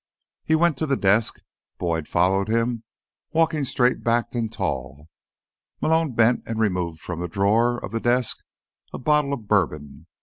He went to the desk. Boyd followed him, walking straight backed and tall. Malone bent and removed from a drawer of the desk a bottle of bourbon.